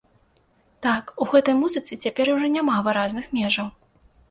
Так, у гэтай музыцы цяпер ужо няма выразных межаў.